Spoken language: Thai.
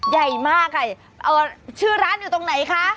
ใหญ่มากค่ะชื่อร้านอยู่ตรงไหนคะ